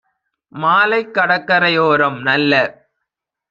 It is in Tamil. மாலைக் கடற்கரை யோரம் - நல்ல